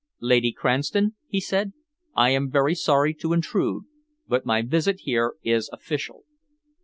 "Lady Cranston," he said, "I am very sorry to intrude, but my visit here is official."